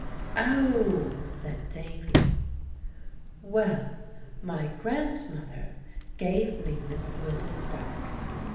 "Oh!" said Davie. "Well, my grandmother gave me this little duck.